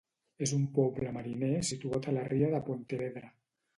És un poble mariner situat a la ria de Pontevedra.